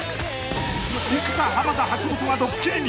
［生田濱田橋本がドッキリに］